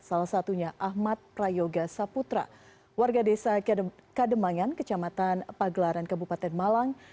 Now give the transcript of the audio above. salah satunya ahmad prayoga saputra warga desa kademangan kecamatan pagelaran kabupaten malang